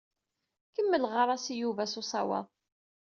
Kemmel ɣɣar-as i Yuba s usawaḍ.